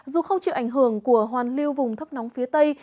dù không chịu ảnh hưởng của hoàn lưu vùng thấp nóng phía tây